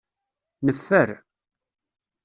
Neffer.